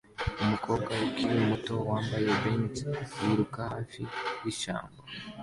Umukobwa ukiri muto wambaye beige yiruka hafi yishyamba